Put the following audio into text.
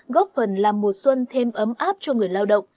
góp phần làm mùa xuân thêm ấm áp cho người lao động